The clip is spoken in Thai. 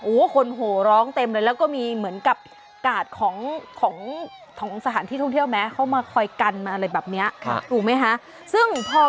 โอ้คนโหร้องเต็มเลยแล้วก็มีเหมือนกับกาลของสถานที่ท่องเที่ยวแม้